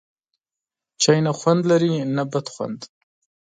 چای، نه خوند لري نه بد خوند